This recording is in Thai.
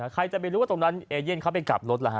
ใครจะไปรู้ว่าตรงนั้นเอเย่นเขาไปกลับรถล่ะฮ